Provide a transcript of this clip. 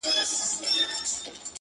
ځغلول يې موږكان تر كور او گوره.!